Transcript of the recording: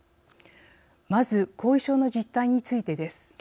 まず後遺症の実態についてです。